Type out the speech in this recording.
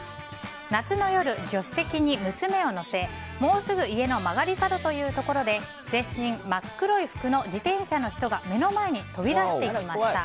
夏の夜、助手席に娘を乗せもうすぐ家の曲がり角というところで全身真っ黒い服の自転車の人が目の前に飛び出してきました。